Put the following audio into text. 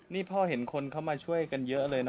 นี่พ่อเห็นคนเข้ามาช่วยกันเยอะเลยนะ